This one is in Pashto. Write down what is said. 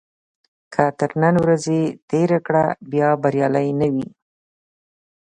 که تر نن ورځې تېره کړه بیا بریالی نه وي.